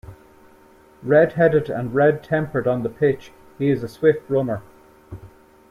Red headed and red tempered on the pitch, he is a swift runner.